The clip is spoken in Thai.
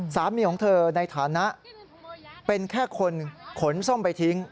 สามีของเธอในฐานะเป็นแค่คนขนส้มไปทิ้ง